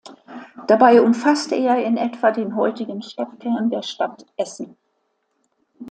Dabei umfasste er in etwa den heutigen Stadtkern der Stadt Essen.